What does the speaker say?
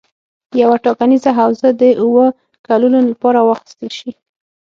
یوه ټاکنیزه حوزه د اووه کلونو لپاره واخیستل شي.